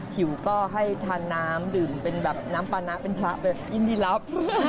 หิวก็ให้ทานน้ำดื่มเป็นแบบน้ำปลาปลาเป็นยินดีรับ